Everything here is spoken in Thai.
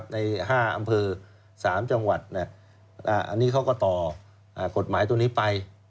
ใน๕อำเภอ๓จังหวัดอันนี้เขาก็ต่อกฎหมายตัวนี้ไป